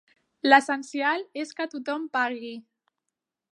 L'essencial és que tothom pagui.